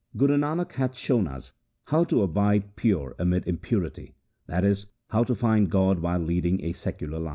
Guru Nanak hath shown us how to abide pure amid impurity, that is, how to find God while leading a secular life.'